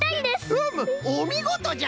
うむおみごとじゃ！